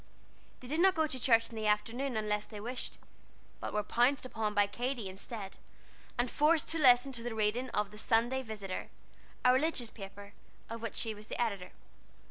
They did not go to church in the afternoon unless they wished, but were pounced upon by Katy instead, and forced to listen to the reading of The Sunday Visitor, a religious paper, of which she was the editor.